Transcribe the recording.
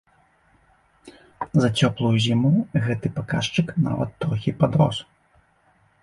За цёплую зіму гэты паказчык нават трохі падрос.